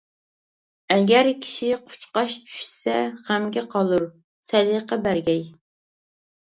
ئەگەر كىشى قۇچقاچ چۈشىسە، غەمگە قالۇر، سەدىقە بەرگەي.